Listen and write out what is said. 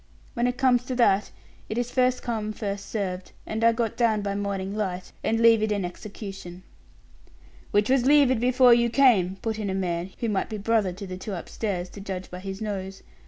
When it comes to that, it is 'first come, first served,' and I got down by morning light, and levied an execution." "Which was levied before you came," put in a man who might be brother to the two upstairs, to judge by his nose.